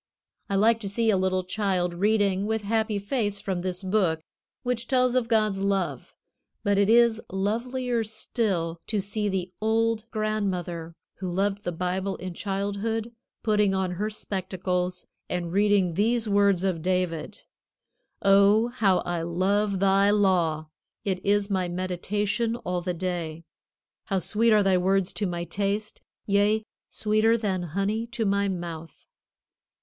I like to see a little child reading with happy face from this book which tells of God's love; but it is lovelier still to see the old grandmother, who loved the Bible in childhood, putting on her spectacles and reading these words of David: "Oh, how I love thy law! It is my meditation all the day. How sweet are thy words to my taste, yea, sweeter than honey to my mouth!"